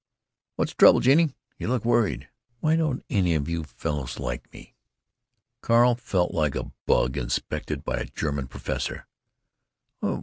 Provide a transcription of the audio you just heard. "What's trouble, Genie? You look worried." "Why don't any of you fellows like me?" Carl felt like a bug inspected by a German professor.